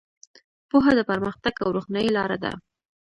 پوهه د پرمختګ او روښنایۍ لاره ده.